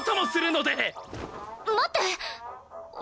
待って！